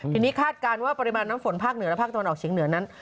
ทีนี้คาดการณ์ว่าปริมาณน้ำฝนภาคเหนือและภาคตะวันออกเฉียงเหนือนั้น